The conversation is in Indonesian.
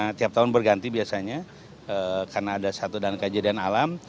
karena tiap tahun berganti biasanya karena ada satu dan kejadian alam